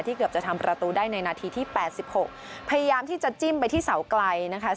เกือบจะทำประตูได้ในนาทีที่๘๖พยายามที่จะจิ้มไปที่เสาไกลนะคะ